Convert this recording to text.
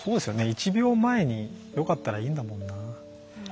１秒前によかったらいいんだもんな。